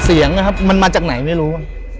เสียงนะครับมันมาจากไหนไม่รู้